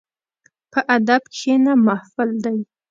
په ادب کښېنه، محفل دی.